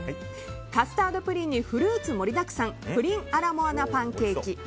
カスタードプリンにフルーツ盛りだくさんプリンアラモアナパンケーキ。